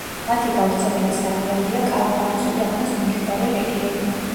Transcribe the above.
მათი გავრცელების არეალია კალაჰარის უდაბნოს მიმდებარე რეგიონი.